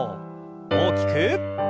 大きく。